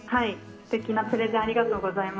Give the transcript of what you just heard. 素敵なプレゼンありがとうございます。